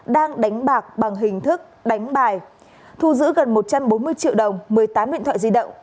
đang đánh bạc bằng hình thức đánh bài thu giữ gần một trăm bốn mươi triệu đồng một mươi tám điện thoại di động